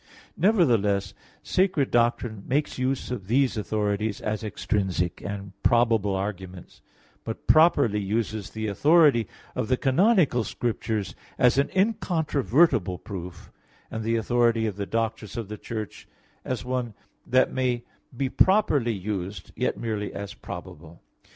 Nevertheless, sacred doctrine makes use of these authorities as extrinsic and probable arguments; but properly uses the authority of the canonical Scriptures as an incontrovertible proof, and the authority of the doctors of the Church as one that may properly be used, yet merely as probable.